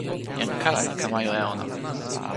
jan kala li kama jo e ona.